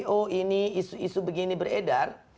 oh ini isu isu begini beredar